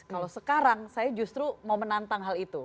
kalau sekarang saya justru mau menantang hal itu